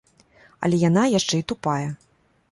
Але яна яшчэ і тупая.